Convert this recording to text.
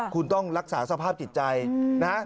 คุณต้องรักษาสภาพจิตใจนะ